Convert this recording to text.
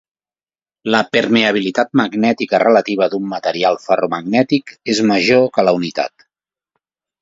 La permeabilitat magnètica relativa d'un material ferromagnètic és major que la unitat.